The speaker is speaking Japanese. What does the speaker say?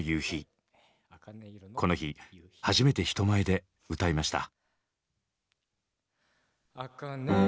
この日初めて人前で歌いました。